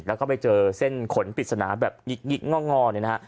แล้วก็ไปเจอเส้นขนปริศนาแบบหงิกง่อน